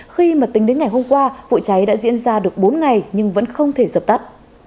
khi mà tính đến ngày hôm qua vụ cháy đã diễn ra được bốn ngày nhưng vẫn không thể dập tắt